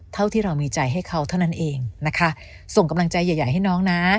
เท่าที่เรามีใจให้เขาเท่านั้นเองนะคะส่งกำลังใจใหญ่ให้น้องนะ